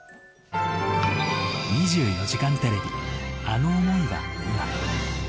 ２４時間テレビあの想いは今。